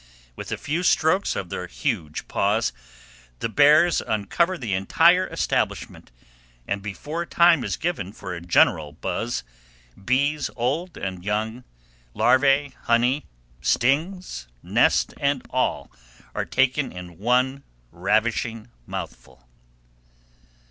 With a few strokes of their huge paws the bears uncover the entire establishment, and, before time is given for a general buzz, bees old and young, larvae, honey, stings, nest, and all are taken in one ravishing mouthful.